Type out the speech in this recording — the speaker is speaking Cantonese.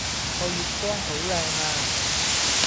個月光好靚呀